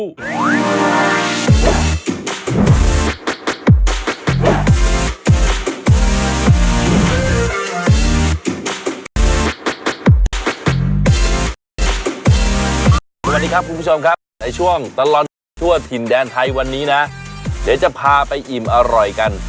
สวัสดีครับคุณผู้ชมครับในช่วงตลอดกินทั่วถิ่นแดนไทยวันนี้นะเดี๋ยวจะพาไปอิ่มอร่อยกัน